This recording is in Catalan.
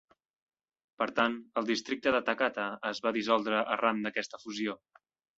Per tant, el districte de Takata es va dissoldre arran d'aquesta fusió.